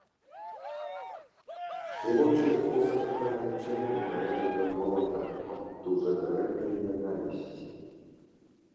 І вочы ў сакратара ячэйкі гарэлі ў той момант агнём дужа дрэннай нянавісці.